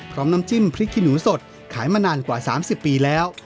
น้ำจิ้มพริกขี้หนูสดขายมานานกว่า๓๐ปีแล้ว